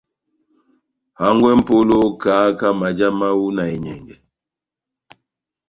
Hangwɛ M'polo, kahaka maja mahu na enyɛngɛ.